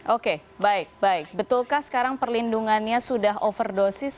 oke baik baik betulkah sekarang perlindungannya sudah overdosis